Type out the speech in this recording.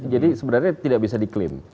jadi sebenarnya tidak bisa diklaim